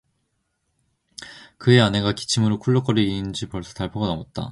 그의 아내가 기침으로 쿨룩거리기는 벌써 달포가 넘었다.